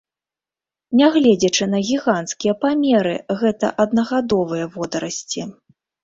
Нягледзячы на гіганцкія памеры, гэта аднагадовыя водарасці.